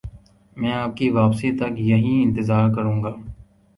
میں آپ کی واپسی تک یہیں انتظار کروں گا